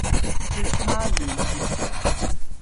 說他亂接劇